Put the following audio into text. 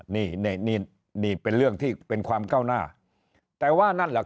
นี่นี่เป็นเรื่องที่เป็นความก้าวหน้าแต่ว่านั่นแหละ